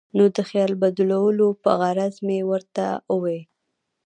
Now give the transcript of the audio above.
نو د خیال بدلولو پۀ غرض مې ورته اووې ـ